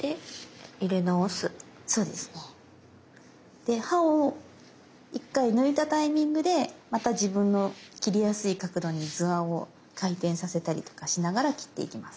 で刃を１回抜いたタイミングでまた自分の切りやすい角度に図案を回転させたりとかしながら切っていきます。